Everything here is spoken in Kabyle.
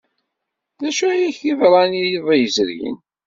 D acu ay ak-yeḍran iḍ yezrin?